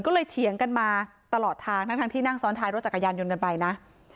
ก็เลยเถียงกันมาตลอดทางทั้งที่นั่งซ้อนท้ายรถจักรยานยนต์กันไปนะ